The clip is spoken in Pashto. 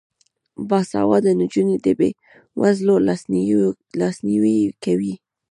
باسواده نجونې د بې وزلو لاسنیوی کوي.